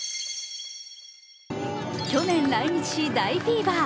去年来日し、大フィーバー。